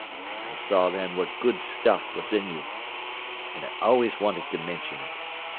I saw then what good stuff was in you—and I always wanted to mention it.